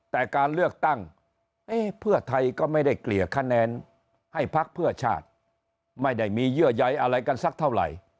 แต่การเลือกตั้งเพื่อไทยก็ไม่ได้เกลี่ยคะแนนให้พักเพื่อชาติไม่ได้มีเยื่อใยอะไรกันสักเท่าไหร่